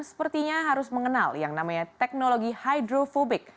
sepertinya harus mengenal yang namanya teknologi hydrofobik